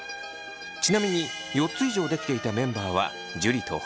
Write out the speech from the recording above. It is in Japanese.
ちなみに４つ以上できていたメンバーは樹と北斗。